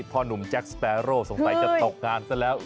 พ่อหนุ่มแจ็คสเปรอร์โหลสงสัยจะตกงานซะแล้ว